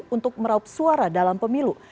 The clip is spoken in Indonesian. untuk meraup suara dalam pemilu